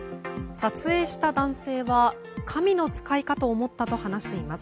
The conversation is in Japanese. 撮影した男性は神の使いかと思ったと話しています。